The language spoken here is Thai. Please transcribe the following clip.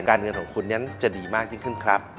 เงินของคุณนั้นจะดีมากยิ่งขึ้นครับ